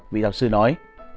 vị giáo sư nói